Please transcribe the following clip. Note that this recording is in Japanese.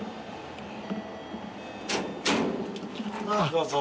どうぞ。